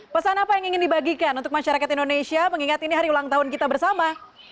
pesan apa yang ingin dibagikan untuk masyarakat indonesia mengingat ini hari ulang tahun kita bersama